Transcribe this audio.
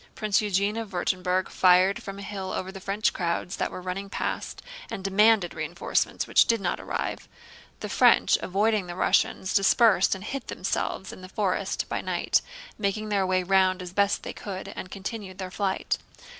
Prince Eugène of Württemberg fired from a hill over the French crowds that were running past, and demanded reinforcements which did not arrive. The French, avoiding the Russians, dispersed and hid themselves in the forest by night, making their way round as best they could, and continued their flight.